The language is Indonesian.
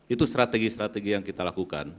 itu strategi strategi yang kita lakukan